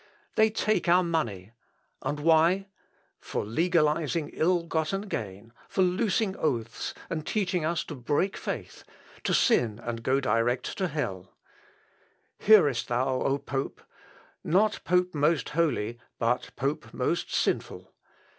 They take our money and why? For legalising ill gotten gain, for loosing oaths, and teaching us to break faith, to sin, and go direct to hell.... Hearest thou, O, pope! not pope most holy, but pope most sinful....